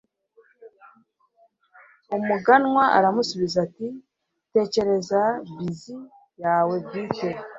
umuganwa aramusubiza ati 'tekereza bizz yawe bwite